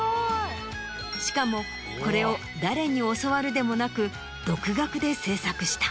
しかもこれを誰に教わるでもなく独学で制作した。